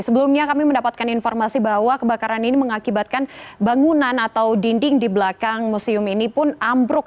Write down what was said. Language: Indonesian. sebelumnya kami mendapatkan informasi bahwa kebakaran ini mengakibatkan bangunan atau dinding di belakang museum ini pun ambruk